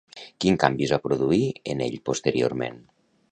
Quin canvi es va produir en ell posteriorment?